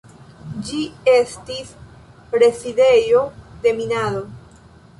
Ĝi estis rezidejo de minado.